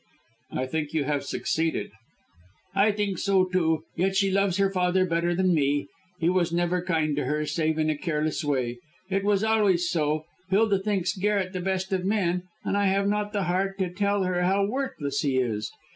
"I think you have succeeded." "I think so too. Yet she loves her father better than me. He was never kind to her, save in a careless way. It is always so. Hilda thinks Garret the best of men, and I have not the heart to tell her how worthless he is.